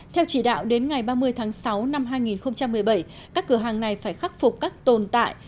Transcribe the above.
theo chỉ đạo đến ngày ba mươi tháng sáu năm hai nghìn một mươi bảy các cửa hàng này phải khắc phục các tồn tại